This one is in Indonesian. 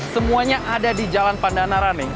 semuanya ada di jalan pandana running